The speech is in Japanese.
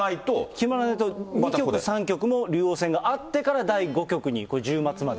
決まらないと２局、３局も竜王戦があって第５局に、１０月まで。